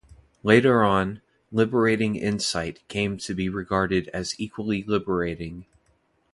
Later on, "liberating insight" came to be regarded as equally liberating.